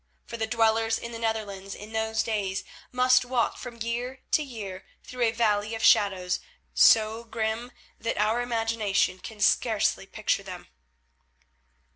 For the dwellers in the Netherlands in those days must walk from year to year through a valley of shadows so grim that our imagination can scarcely picture them.